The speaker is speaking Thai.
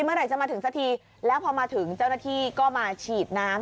เมื่อไหร่จะมาถึงสักทีแล้วพอมาถึงเจ้าหน้าที่ก็มาฉีดน้ำ